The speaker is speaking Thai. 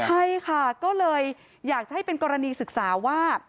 ใช่ค่ะก็เลยอยากจะให้เป็นกรณีศึกษาว่า